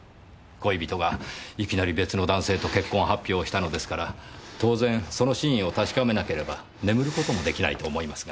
恋人がいきなり別の男性と結婚を発表したのですから当然その真意を確かめなければ眠ることもできないと思いますが。